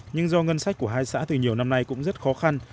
nhưng do ngân sách của hai xã từ nhiều năm nay cũng rất khó khăn